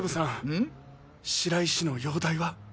白石の容体は？